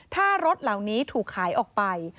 ถ้ารถเหล่านี้ถูกขายออกไป